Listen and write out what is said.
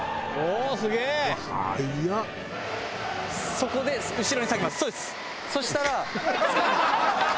そしたら。